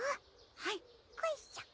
はいこっしょ！